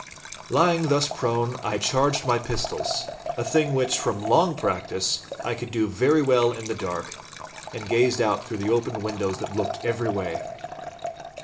Lying thus prone, I charged my pistols—a thing which, from long practice, I could do very well in the dark, and gazed out through the open windows that looked every way.